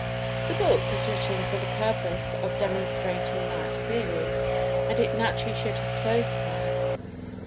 The book was written for the purpose of demonstrating that Theory, and it naturally should have closed there.